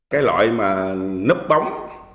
cái loại mà nấp bóng